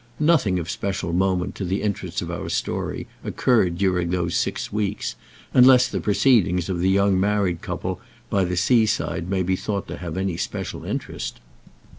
Nothing of special moment to the interests of our story occurred during those six weeks, unless the proceedings of the young married couple by the sea side may be thought to have any special interest.